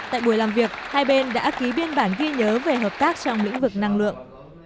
tại buổi làm việc hai bên đã ký biên bản ghi nhớ về hợp tác trong lĩnh vực năng lượng